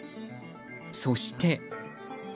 そして。